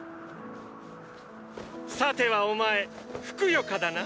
さてはお前ふくよかだな⁉